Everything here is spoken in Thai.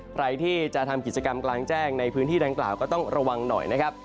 ใครที่จะทำกิจกรรมกลางแจ้งในพื้นที่ดังกล่าวก็ต้องระวังหน่อยนะครับ